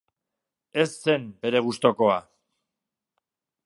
Ez zen bere gustukoa.